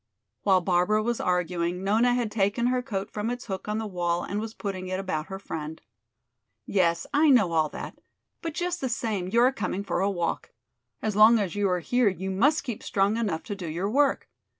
While Barbara was arguing Nona had taken her coat from its hook on the wall and was putting it about her friend. "Yes, I know all that, but just the same you are coming for a walk. As long as you are here you must keep strong enough to do your work.